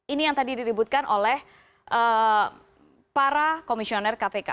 ini yang tadi diributkan oleh para komisioner kpk